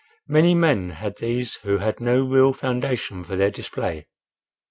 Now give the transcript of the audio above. Many men had these who had no real foundation for their display.